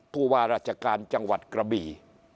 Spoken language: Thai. ผู้ว่าราชการจังหวัดกระบี่